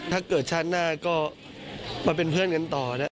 ถ้าเกิดชาติหน้าก็มาเป็นเพื่อนกันต่อ